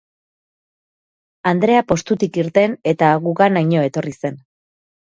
Andrea postutik irten eta guganaino etorri zen.